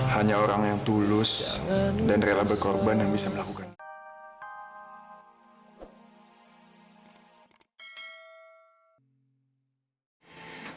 hanya orang yang tulus dan rela berkorban yang bisa melakukan ini